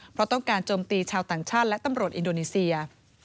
เพราะต้องการโจมตีชาวต่างชาติและตำรวจอินโดนีเซีย